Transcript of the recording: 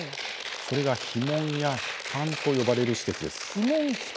それが樋門や樋管と呼ばれる施設です。